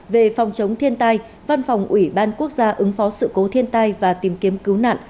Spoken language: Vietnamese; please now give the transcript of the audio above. về phòng chống thiên tai văn phòng ủy ban quốc gia ứng phó sự cố thiên tai và tìm kiếm cứu nạn